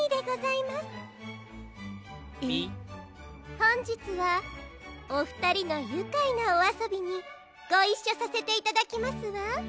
ほんじつはおふたりのゆかいなおあそびにごいっしょさせていただきますわ。